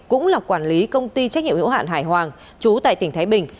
cũng là quản lý công ty trách nhiệm hữu hạn hải hoàng chú tại tỉnh thái bình